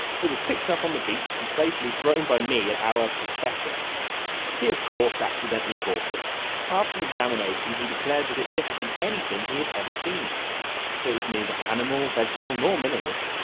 It was picked up on the beach and playfully thrown by me at our " Professor." He, of course accidentally, caught it. After an examination, he declared that it differed from anything he had ever seen : that it was neither animal, vegetable, nor mineral.